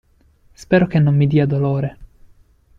Spero che non mi dia dolore.